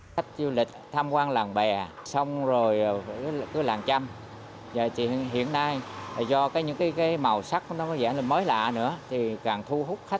khách du lịch tham quan làng bè xong rồi cứ làng chắc